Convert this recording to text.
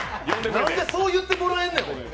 なんでそう言ってもらえるねん！